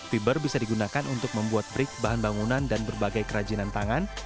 fiber bisa digunakan untuk membuat brik bahan bangunan dan berbagai kerajinan tangan